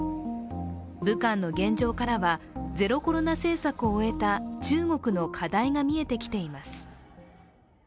武漢の現状からはゼロコロナ政策を終えた中国の課題が見えてきています。